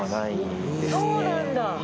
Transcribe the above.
そうなんだ。